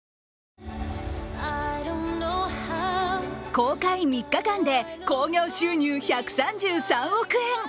公開３日間で興行収入１３３億円。